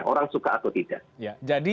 orang suka atau tidak